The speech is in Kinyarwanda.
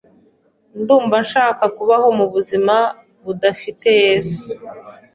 nkumva ndashaka kubaho mu buzima budafite Yesu